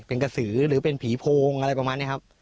เป็นกระสือหรือเป็นผีโพงอะไรประมาณนี้ครับ